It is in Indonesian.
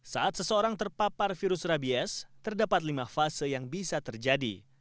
saat seseorang terpapar virus rabies terdapat lima fase yang bisa terjadi